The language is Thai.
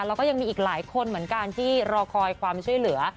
แล้วก็ยังมีอีกหลายคนเหมือนกันที่รอคอยความช่วยเหลือ